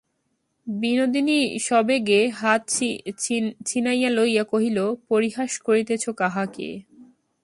বিনোদিনী সবেগে হাত ছিনাইয়া লইয়া কহিল, পরিহাস করিতেছ কাহাকে।